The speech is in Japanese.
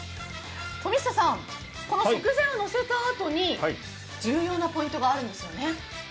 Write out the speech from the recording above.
富下さん、この食材をのせたあとに重要なポイントがあるんですね？